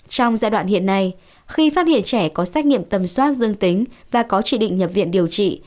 trong giai đoạn hiện nay khi phát hiện trẻ có xét nghiệm tầm soát dương tính và có chỉ định nhập viện điều trị